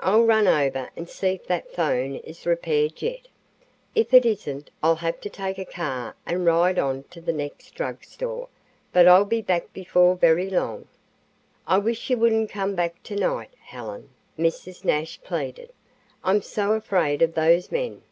I'll run over and see if that phone is repaired yet. If it isn't I'll have to take a car and ride on to the next drug store; but I'll be back before very long." "I wish you wouldn't come back tonight, Helen," Mrs. Nash pleaded. "I'm so afraid of those men.